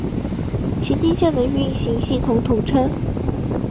崎京线的运行系统通称。